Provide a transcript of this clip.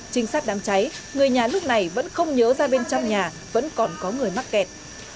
trinh sát đám cháy người nhà lúc này vẫn không nhớ ra bên trong nhà vẫn còn có người mắc kẹt